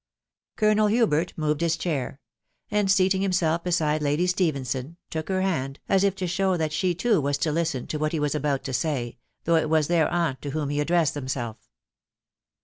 ColGnsl Hubert moved his chair ; and seating himself beside Lady Stephenson, took her hand, as if to show that 6he too was to listen to what he was about to say, though it was their aunt to whom he addressed himself.